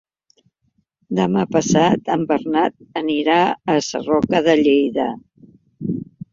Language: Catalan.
Demà passat en Bernat anirà a Sarroca de Lleida.